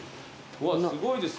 うわすごいですよ。